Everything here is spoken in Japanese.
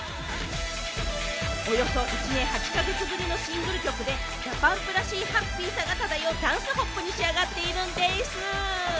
およそ１年８か月ぶりのシングル曲で、ＤＡＰＵＭＰらしいハッピーさが漂うダンスポップに仕上がっているんでぃす！